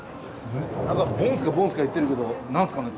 何かボンスカボンスカいってるけど何すかね？